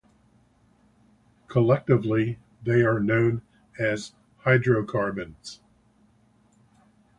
Collectively they are known as hydrocarbons.